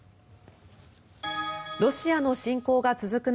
ロシアの侵攻が続く中